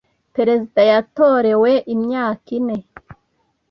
Perezida yatorewe imyaka ine.